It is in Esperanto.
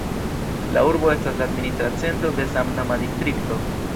La urbo estas la administra centro de samnoma distrikto.